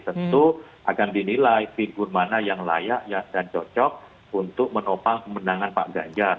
tentu akan dinilai figur mana yang layak dan cocok untuk menopang kemenangan pak ganjar